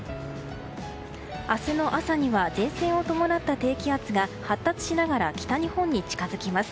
明日の朝には前線を伴った低気圧が発達しながら北日本に近づきます。